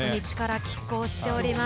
きっ抗しております。